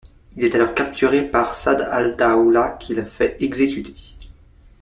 Il est alors capturé par Sa'd al-Dawla, qui le fait exécuter.